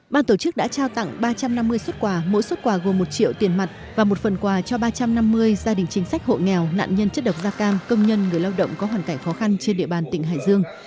ban tổ chức đã trao tặng ba trăm năm mươi xuất quà mỗi xuất quà gồm một triệu tiền mặt và một phần quà cho ba trăm năm mươi gia đình chính sách hộ nghèo nạn nhân chất độc da cam công nhân người lao động có hoàn cảnh khó khăn trên địa bàn tỉnh hải dương